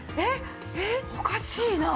えっおかしいな。